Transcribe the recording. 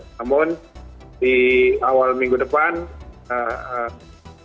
namun di awal minggu depan di hari minggu